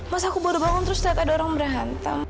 mas aku baru bangun terus lihat ada orang berhantam